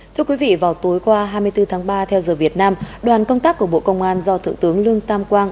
thưa quý vị vào tối qua hai mươi bốn tháng ba theo giờ việt nam đoàn công tác của bộ công an do thượng tướng lương tam quang